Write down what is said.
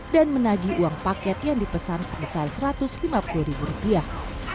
dan menagi uang paket yang dipesan sebesar satu ratus lima puluh ribu rupiah